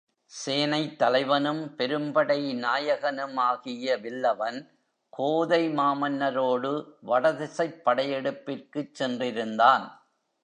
சேனைத்தலைவனும் பெரும்படைநாயகனும் ஆகிய வில்லவன் கோதை மாமன்னரோடு வடதிசைப் படையெடுப்பிற்குச் சென்றிருந்தான்.